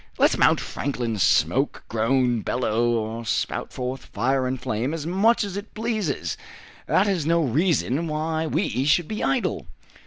Let Mount Franklin smoke, groan, bellow, or spout forth fire and flame as much as it pleases, that is no reason why we should be idle!